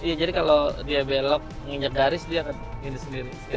iya jadi kalo dia belok nginjek garis dia akan gini sendiri